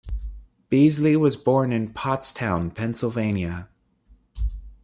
Beasley was born in Pottstown, Pennsylvania.